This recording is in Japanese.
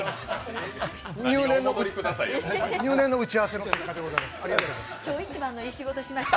入念な打ち合わせの結果でございます。